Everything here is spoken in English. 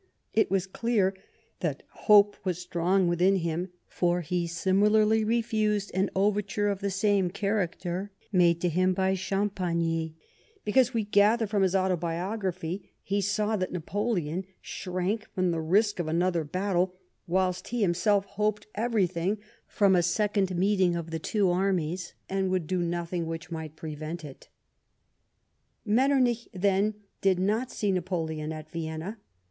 It was clear that hope was strong within him, for he similarly refused an overture of the same charac ter made to him by Champagny, because, we gather from his Autobiography, he saw that Napoleon shrank from the risk of another battle, whilst he himself liopetJ 48 LIFE OF PRINCE METTEBNICE. everything from a second meeting of the two armies, and would do nothing which might prevent it. Metternich, then, did not see Napoleon at Vienna.